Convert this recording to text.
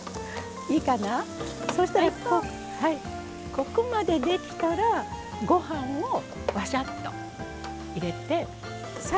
ここまでできたらご飯をわしゃっと入れて最後に。